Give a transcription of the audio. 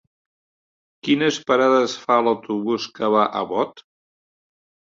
Quines parades fa l'autobús que va a Bot?